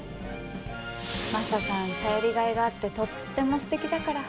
マサさん頼りがいがあってとってもすてきだから。